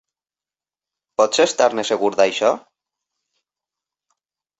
Pots estar-ne segur d'això?